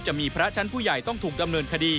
จะมีพระชั้นผู้ใหญ่ต้องถูกดำเนินคดี